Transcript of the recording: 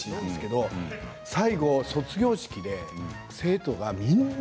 最後、卒業式で生徒がみんな